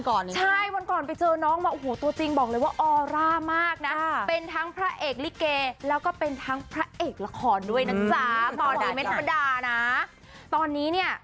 พี่ฝึกไปเจอน้องเข้ามาวันก่อนนี้นี่